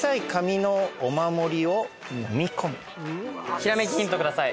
ひらめきヒント下さい。